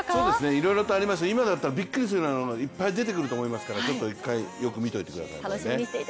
いろいろとありましたけど今だったらびっくりするようなのがいっぱい出てくると思いますから、よく見ていてください。